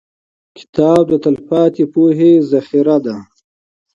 • کتاب د تلپاتې پوهې زېرمه ده.